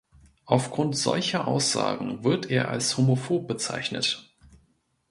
Aufgrund solcher Aussagen wird er als homophob bezeichnet.